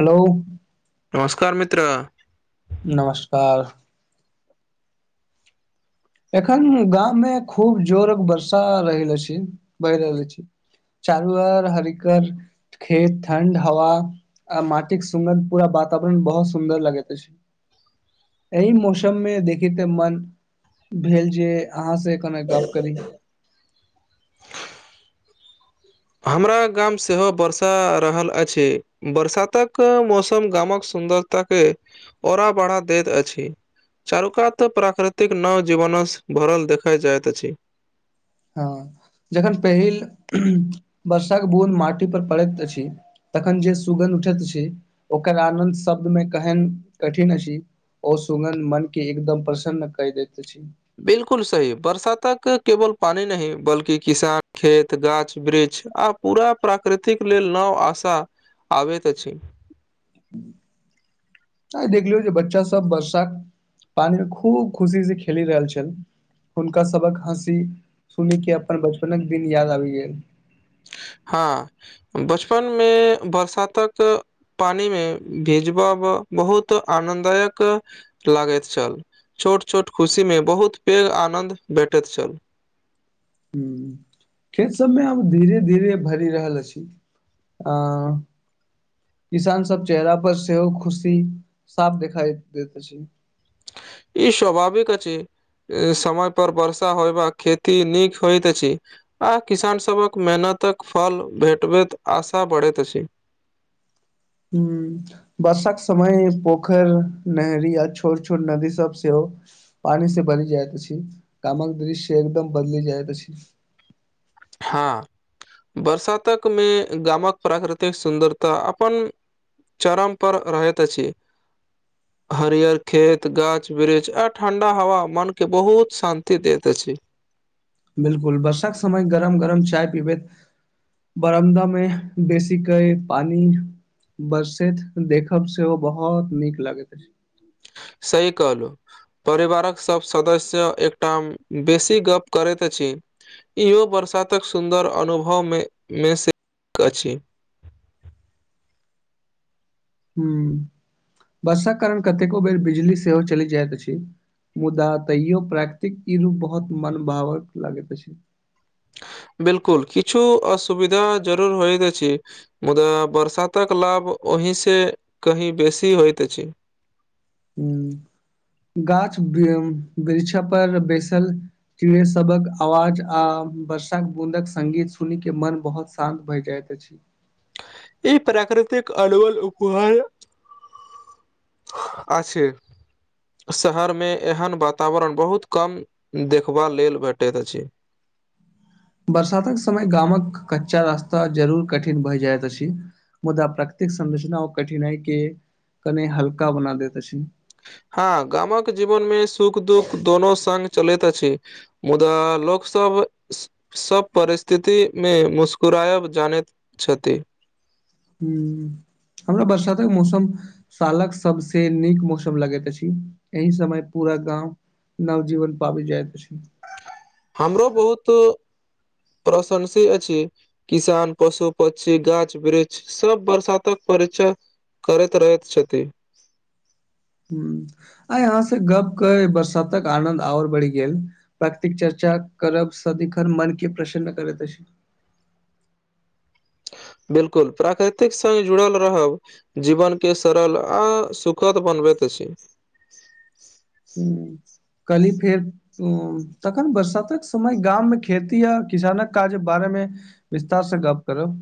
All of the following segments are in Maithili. हेलो नमस्कार मित्र नमस्कार एखन गाम मे खूब जोर वर्षा रहल अछि रहल अछि बहि रहल अछि चारुर हरिकर खेत ठंड हवा आ माटिके सुगन्ध पूरा वातावरण बहुत सुन्दर लगैत छै। एहि मौसममे देखेती त मन भेल जे अहाँ से कने गप करी हमरा गाम सेहो वर्षा रहल अछि बरसातक मौसम गामक सुन्दरता के ओरा बढ़ा दैत अछि चारुकात प्राकृतिक नव जीवनसँ भरल देखाइ जाइत अछि हँ जखन पहिल बर्षाक बूद माटी पर पड़ैत अछि। तखन जे सुगन्ध उठैत छी ओकर आनन्द शब्द मे केहन कठिन अछि, ओ सुगन मन के एकदम प्रसन्न क दैत अछि बिलकुल सही बर्षा तक केवल पानि नहि बल्कि किसान खेत गाछ वृक्ष आब। पूरा प्राकृतिक लेल नव आशा आबैत अछि। [unintelligible] आइ देख लियौ जे बच्चा सब वर्षा पानी मे खूब खुशी से खेलि रहल छल। हुनका सभक हँसी सुन कऽ अपन बचपनक दिन याद आबि गेल हँ बचपनमे बरसातक। पानि मे भिजबब बहुत आनन्ददायक लागैत छल छोट छोट खुशी मे बहुत पेघ आनंद भेटैत छल। खेत सबमे आब धीरे धीरे भरि रहल अछि आ [inaudible] किसान सब चेहरा पर सेहो खुशी साफ देखाई देैत अछि ई स्वभाविक अछि समय पर वर्षा होइब खैती नीक होइत छै आ किसान सबक मेहनतक फल भेटबैत आशा बढ़ैत अछि। हू। वर्षाक समय पोखरि नहरी य छोट छोट नदी सब सेहो हो। पानी से भरी जाइत अछि गामक दृश्य एकदम बदली जाइत अछि हँ बरसातकमे गामक प्राकृतिक सुन्दरता अपन। चरम पर रहैत अछि। हरियर खेत गाछ वृक्ष आ ठंडा हवा मन के बहुत शांति देैत अछि। बिल्कुल वर्षाक समय गरम गरम चाय पीबैत बरामदा मे बेसी कय पानी बरसैत देखब सेहो बहुत नीक लगैत अछि सही कहलु। परिवारक सभ सदस्य एकटाम बेसी गप करैत अछि। इहो बरसातक सुन्दर अनुभवमे मे सेक अछि। हुँ वर्षाक कारण कतेको बेर बिजली सेहो चलि जाइत अछि। मुदा तैयो प्राकृतिक ई रूप बहुत मनभावक लगैत अछि। बिल्कुल किछु असुविधा जरूर होयत अछि। मुदा बरसातक लाभ ओहि से कहीं बेसी होइत अछि। हूँ गाछ वृक्ष पर बैसल। चिड़य सभक आवाज आ वर्षाक बूँदक संगीत सुनि के मन बहुत शान्त भए जाइत अछि। ई प्राकृतिक अनमोल उपहार अच्छे। शहर मे एहन वातावरण बहुत कम देखबा लेल भेटैत अछि। बरसातक समय गामक कच्चा रास्ता जरूर कठिन भए जाइत अछि। मुदा प्रकतिक संरचना ओ कठिनाइ के कने हल्का बना देैत अछि। हँ गामक जीवन मे सुख दुःख दोनो संग चलैत अछि। मुदा लोक सभ। सभ परिस्थितिमे मुस्कराएब जानैत छथि। हुँ हमरा बरसातेक मौसम। सालक सबसे नीक मौसम लगैत अछि एहि समय पूरा गाँव नवजीवन पाबी जाइत छै। हमरो बहुत प्रशंसी अछि। किसान पशु पक्षी गाछ वृक्ष सब बरसातक परिचय। करैत रहैत छथि। हुँ आय अहाँ से गप कय बरसातक आनन्द आओर बढ़ि गेल। प्रकृतिक चर्चा करब सदिखर मन के प्रसन्न करैत अछि। बिल्कुल प्राकृतिक संग जुड़ल रहब। जीवन के सरल आ सुखद बनबैत छी। हुँ कल्हि फेर हुँ तखन बरसातक समय गाममे खेती आ किसानक काज बारेमे विस्तार स गप्प करब।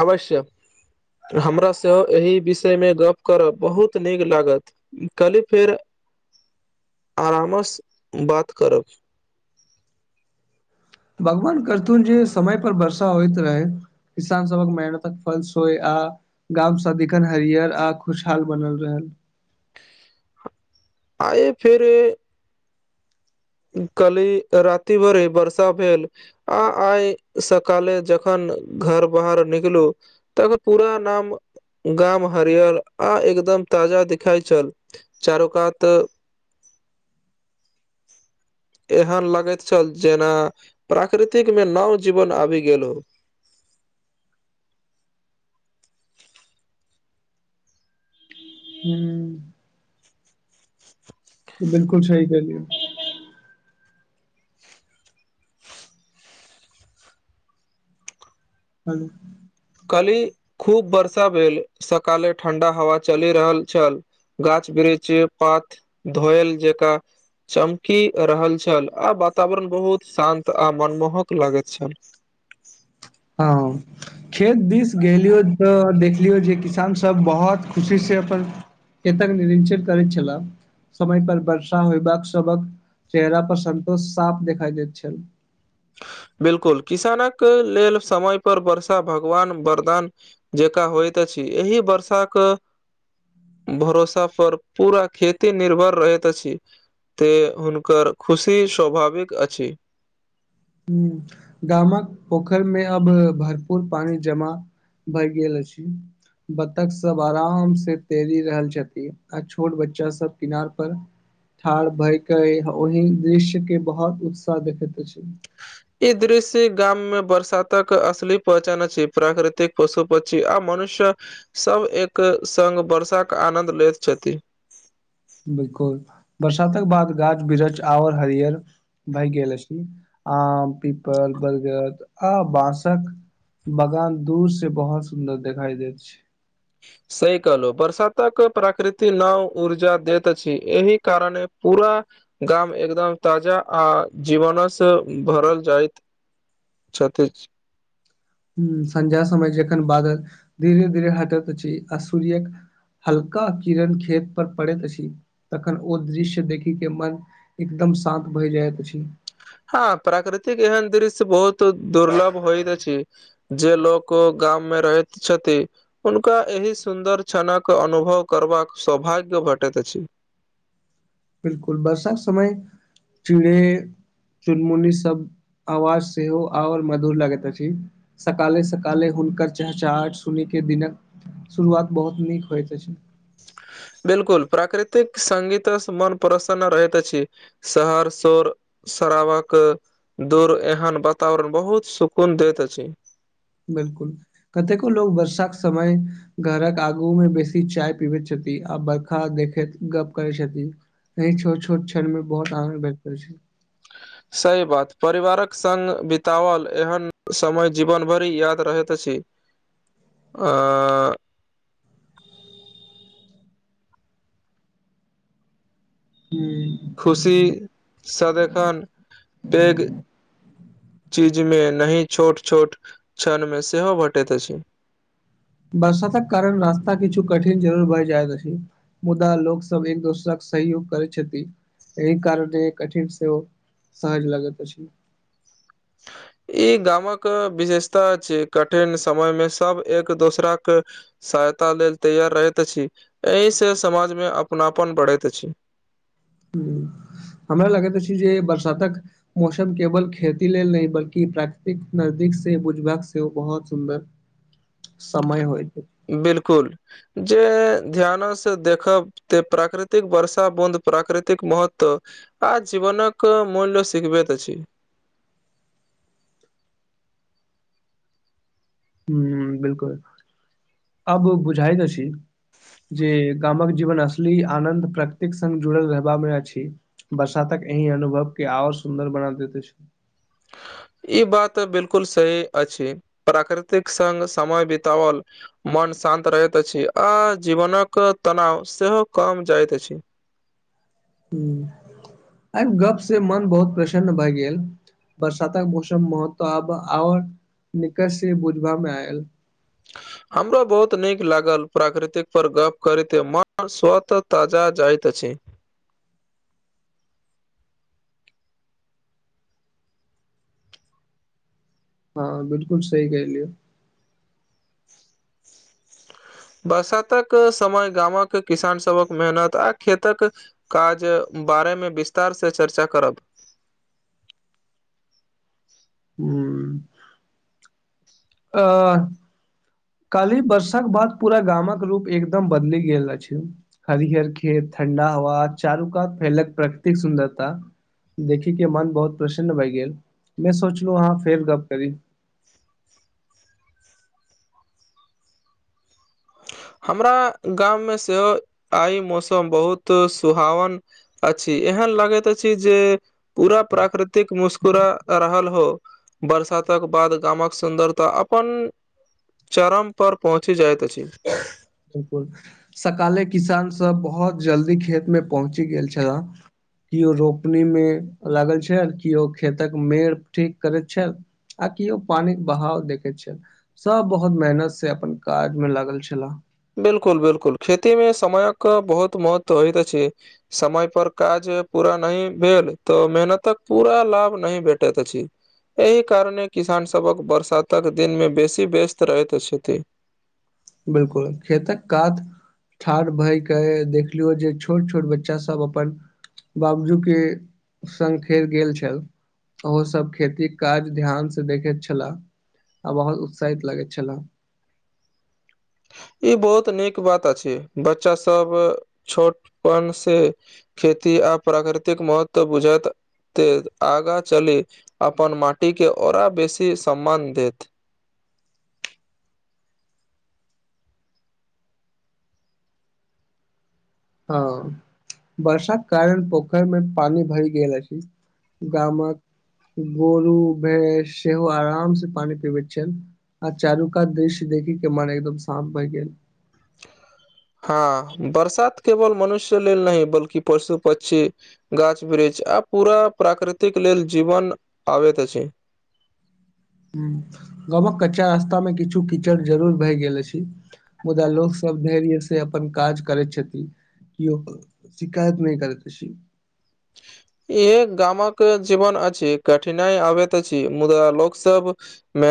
आवश्य। हमरा सेहो एहि विषयमे गप्प करब बहुत नीक लागत। कल्हि फेर आरामस बात करब। भगवान करथुन जे समय पर वर्षा होइत रहै। किसान सभक मेहनतक फल सोइ आ। गाँव सदिखन हरियर आ खुशहाल बनल रहल। आए फेरे काल्हि राति भरि वर्षा भेल आ आइ सकाले जखन घर बाहर निकलू। तक पूरा नाम गाम हरियर आ एकदम ताजा दिखाइ छल। चारोकात- एहन लगैत छल जेना प्राकृतिक में नव जीवन आबि गेल हो। [unintelligible] बिल्कुल सही कहियए। [unintelligible] कल ही खूब वर्षा भेल सकाले ठंडा हवा चलि रहल छल। गाछ बिरीछ पात धोयल जेका चमकी रहल छल आ वातावरण बहुत शान्त आ मनमोहक लगैत छल। हँ खेत दीस गेलियौ तऽ देखलियौ जे किसान सभ बहुत खुशी से अपन खेतक निरक्षक करैत छलह। समय पर वर्षा होयबाक सबक चेहरा पर सन्तोष साफ देखाइ दैत छल। बिल्कुल किसानक लेल समय पर वर्षा भगवान वरदान जेकरा होइत अछि एहि वर्षाक भरोसा पर पूरा खेती निर्भर रहैत अछि। ते हुनकर खुशी स्वभाविक अछि। हु गामक पोखरि में अब भरपूर पानी जमा भैए गेल अछि बत्तख सब आराम से तैरी रहल छथि। आ छोट बच्चा सब किनार पर ठाढ़ भय केँ ओहि दृश्य केँ बहुत उत्साह देखैत अछी ई दृश्य गाम में बरसातक असली पहचान अछि प्राकृतिक पशु पक्षी आ मनुष्य सब एक संग बर्षा कऽ आनन्द लेैत छथि। बिल्कुल बरसातक बाद गाछ बिरछ और हरियर- भैय गेलल छी आम पिपल बर्गर आ बाँसक बगान दूर से बहुत सुंदर देखाई दे छै। सही कहलों बरसातक प्रकृति नओ ऊर्जा देैत अछि एहि कारणे पूरा गाम एकदम ताजा आ जीवनस भरल जायइत छते छी ह सझा समय जखन बादल धीरे धीरे हटैत अछि आ सूर्यक हल्का किरण खेत पर पड़ैत अछि तखन ओ दृश्य देखि केँ मन एकदम शान्त भैइ जाइत अछि हँ प्राकृतिक एहन दृश्य बहुत दुर्लभ होइइत अछी जे लोक गाम में रहैत छथि। हुनका एहि सुन्दर क्षणक अनुभव करबाक सौभाग्य भेटैत अछि। बिल्कुल बर्षाक समय चीड़ै चुनमुनी सब आवाज सेहो आवल मधुर लगैत अछि सकाले सकाले हुनकर चहचहाहट सुनि केँ दिनक शुरुआत बहुत नीक होइत अछि बिल्कुल प्राकृतिक संगीत स मन प्रसन्न रहैत अछि शहर सोर सरावा कऽ दूर एहन वातावरण बहुत सुकून दैत अछि बिल्कुल कतेको लोग वर्षाक समय घरक आगू में बेसी चाय पीबैत छथि आ बर्खा देखैत गप करै छथि अय छोट छोट छनमे बहुत आनंद भेटैत अछि सही बात परिवारक संग बिताबल एहन समय जीवन भरि याद रहैत अछि [unintelligible] [unintelligible] खुशी सदिखन पेघ चीजमे नहि छोट छोट क्षणमे सेहो भेटैत अछि बरसातक कारण रास्ता किछु कठिन जरूर भए जाएत अछि मुदा लोक सब एक दोसरक सहयोग करै छथि एहि कारने कठिन सेहो सहज लगैत अछि ई गामक अ विशेषता छिये कठिन समय मे सब एक दोसराक सहायता लेल तैयार रहैत अछि एहि से समाजमे अपनापन बढ़ैत अछि हमरा लागैत अछि जे बरसातक मौसम केवल खेती लेल नहि बल्कि प्राकृतिक नजदीक से बुझबाक सेहो बहुत सुंन्दर [inaudible] समय होइत बिलकुल जे ध्यानसँ देखब ते प्राकृतिक वर्षा बुन्द प्राकृतिक महत्व आ जीवनक मूल्य सिखबेत अछि हुँ हुँ बिलकुल अब बुझाइत अछि जे गामक जीवन असली आनन्द प्रकतिक संग जुड़ल रहबा मे अछि बरसातक एहि अनुभव केँ आओर सुन्दर बना दैत अछि ई बात बिलकुल सही अछि प्राकृतिक संग समय बिताओल मन शान्त रहैत अछि आ जीवनक तनाव सेहो कम जाइत अछि हुँ आइ गप से मन बहुत प्रसन्न भए गेल बरसातक मौसम महत्व आब आओर निकट से बुझबा मे ऐयल [inaudible] हमरो बहुत नीक लागल प्राकृतिक पर गप्प करिते मन स्वतः ताजा जाइत अछि हँ बिलकुल सही कहलियै बरसातक समय गामक किसान सभक मेहनत आ खेतक काज बारेमे विस्तार से चर्चा करब हुँ अ काल्हि वर्षाक बाद पूरा गामक रूप एकदम बदलि गेल अछि हरिहर खेत ठण्डा हवा आ चारू कात फैलक प्रकृतिक सुन्दरता देखि केँ मन बहुत प्रसन्न भए गेल मे सोचलौ अहाँ फेर गप करी हमरा गाम मे सेहो आइ मौसम बहुत सुहावन अछि एहन लागैत अछि जे पूरा प्राकृतिक मुस्करा रहल हो बरसातक बाद गामक सुन्दरता अपन चरम पर पहुँची जाइत अछि बिलकुल सकाले किसान सब बहोत जल्दी खेत मे पहुँची गेल छला किओ रोपनी मे लागल छैल केओ खेतक मेड़ ठीक करैत छैल आ किओ पानिक बाहाव देखैत छै सब बहुत मेहनत से अपन काज मे लागल छेला बिलकुल बिलकुल खेती मे समयक बहुत महत्व होइत अछि समय पर काज पूरा नहि भेल तऽ मेहनतक पूरा लाभ नहि भेटैत अछि एहि कारणे किसान सभक बरसातक दिन मे बेसी व्यस्त रहैत छथि बिलकुल खेतक कात ठाढ़ भय कऽ देखलियौ जे छोट छोट बच्चा सभ अपन। बाबजू के संग फेर गेल छै ओहो सब खेती के काज ध्यान से देखैत छलाह आ बहुत उत्साहित लगैत छला ई बहुत नीक बात अछि बच्चा सब छोट पन से खेती आ प्राकृतिक महत्व बुझैत, ते आगा चली अपन माटी के ओरा बेसी सम्मान देत हँ वर्षााक कारण पोखर मे पान भरि गेल अछि गामक गोरू भैंस सेहो आराम से पानी पीबैत छैथ आ चारु कात दृश्य देखिक के मन एकदम शान्त भए गेल। हाँ बरसात केवल मनुष्य लेल नहि बल्कि पशु पक्षी गाछ वृक्ष आ पूरा प्राकृतिक लेल जीवन आबैत अछि। गामक कच्चा रास्ता मे किछु कीचड़ जरूर भए गेल अछि मुदा लोक सब धैर्य से अपन काज करै छथिन केँ शिकायत नहि करै अछि। इहे गामक जीवन अछि कठिनाई आबैत अछि मुदा लोक सब मे [unintelligible]